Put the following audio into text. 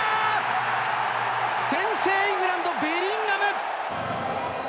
先制イングランドベリンガム。